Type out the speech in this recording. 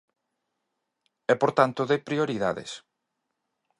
E por tanto de prioridades.